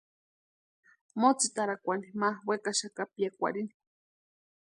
Motsitarakwani ma wekaxaka piakwarhini.